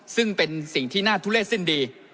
ซึ่งเป็นสิ่งที่น่าทุเลศสิ้นดี